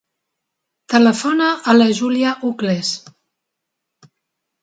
Telefona a la Giulia Ucles.